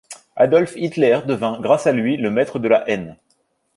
Adolf Hitler devint grâce à lui le Maître de la haine.